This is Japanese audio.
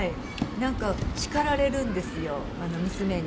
なんか叱られるんですよ娘に。